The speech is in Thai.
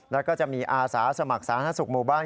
แล้วก็จะมีอาสาสมัครสาธารณสุขหมู่บ้าน